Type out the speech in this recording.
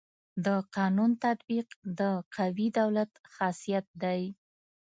د قانون تطبیق د قوي دولت خاصيت دی.